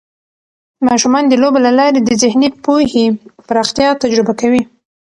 ماشومان د لوبو له لارې د ذهني پوهې پراختیا تجربه کوي.